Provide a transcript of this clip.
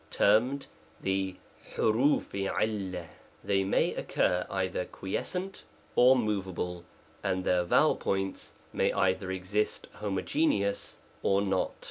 *99 termed the v^JLcC 'j^ They may occur either quiescent or moveable ; and their vowel points may either exist homogeneous or not.